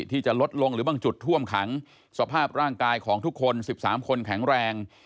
ที่จะลดลงหรือบางจุดท่วมขังสภาพร่างกายของทุกคน๑๓คนแข็งแรง